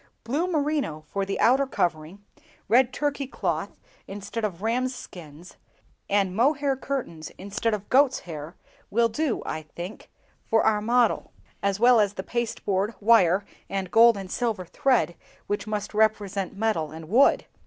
Blue merino for the outer covering, red Turkey cloth instead of rams' skins, and mohair curtains instead of goats' hair, will do, I think, for our model; as well as the pasteboard, wire, and gold and silver thread, which must represent metal and wood."